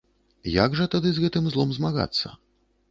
Як жа тады з гэтым злом змагацца?